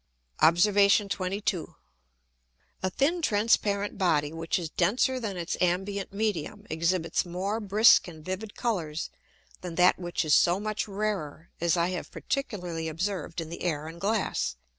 Obs. 22. A thin transparent Body, which is denser than its ambient Medium, exhibits more brisk and vivid Colours than that which is so much rarer; as I have particularly observed in the Air and Glass.